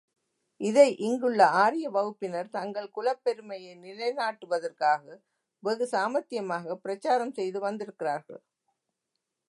இதை இங்குள்ள ஆரிய வகுப்பினர் தங்கள் குலப் பெருமையை நிலைநாட்டுவதற்காக வெகு சாமர்த்தியமாகப் பிரச்சாரம் செய்து வந்திருக்கிறார்கள்.